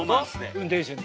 運転手に。